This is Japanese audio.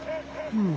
うん。